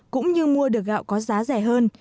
cũng như mua được gạo có giá rẻ hơn